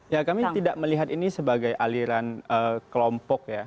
ya kami tidak melihat ini sebagai aliran kelompok ya